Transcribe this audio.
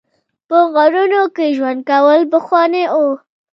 په غارونو کې ژوند کول پخوانی و